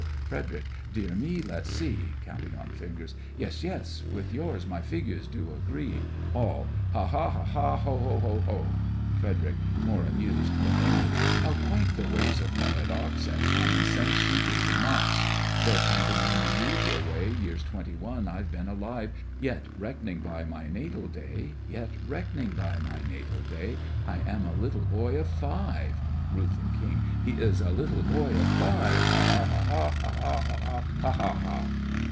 FREDERIC: Dear me! Let's see! (counting on fingers) Yes, yes; with yours my figures do agree! ALL: Ha! ha! ha! ho! ho! ho! ho! FREDERIC: (more amused than any) How quaint the ways of Paradox! At common sense she gaily mocks! Though counting in the usual way, Years twenty one I've been alive, Yet, reck'ning by my natal day, Yet, reck'ning by my natal day, I am a little boy of five! RUTH/KING: He is a little boy of five! Ha! ha! ha! ha! ha! ha! ha! ha!